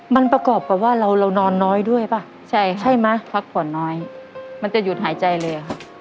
มันประกอบกับว่าเรานอนน้อยด้วยป่ะใช่ใช่ไหมพักผ่อนน้อยมันจะหยุดหายใจเลยครับ